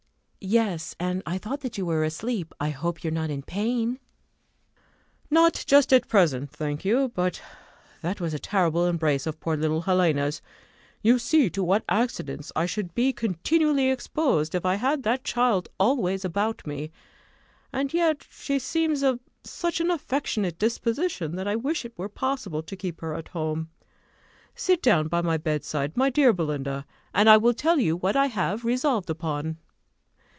"Yes; and I thought that you were asleep. I hope you are not in pain." "Not just at present, thank you; but that was a terrible embrace of poor little Helena's. You see to what accidents I should be continually exposed, if I had that child always about me; and yet she seems of such an affectionate disposition, that I wish it were possible to keep her at home. Sit down by my bedside, my dear Belinda, and I will tell you what I have resolved upon."